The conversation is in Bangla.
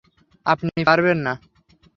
আপনি পারবেন না।